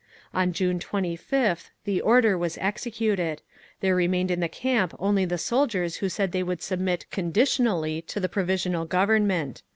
On June 25th the order was executed; there remained at the camp only the soldiers who said they would submit 'conditionally' to the Provisional Government.